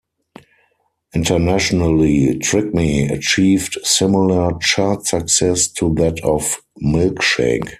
Internationally, "Trick Me" achieved similar chart success to that of "Milkshake".